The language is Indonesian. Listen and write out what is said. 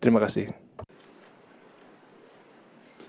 terima kasih yang mulia